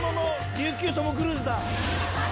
琉球トム・クルーズだ。